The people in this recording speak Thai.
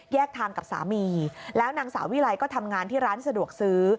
ทางกับสามีแล้วนางสาววิไลก็ทำงานที่ร้านสะดวกซื้อ